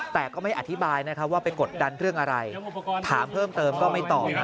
แต่ก็ไม่อธิบายนะครับว่าไปกดดันเรื่องอะไรถามเพิ่มเติมก็ไม่ตอบ